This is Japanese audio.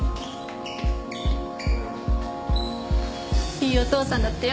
いいお父さんだってよ。